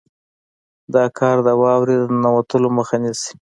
دا کار د واورې د ننوتلو مخه نیسي